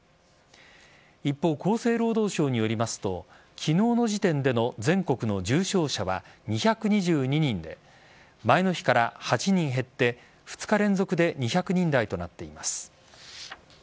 一方、厚生労働省によりますと昨日の時点での全国の重症者は２２２人で前の日から８人減って２日連続で２００人台となっています。